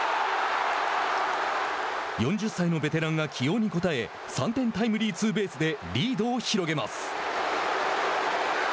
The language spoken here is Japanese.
４０歳のベテランが起用に応え３点タイムリーツーベースでリードを広げます。